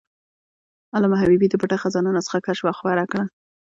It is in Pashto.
علامه حبیبي د "پټه خزانه" نسخه کشف او خپره کړه.